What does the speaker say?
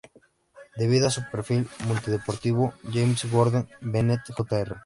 Debido a su perfil multideportivo, James Gordon Bennett, Jr.